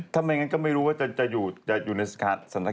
ทำไมกันก็ไม่รู้ว่าจะอยู่ในศรัทธิการนี้หรือเปล่า